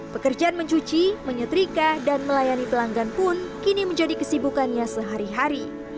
pekerjaan mencuci menyetrika dan melayani pelanggan pun kini menjadi kesibukannya sehari hari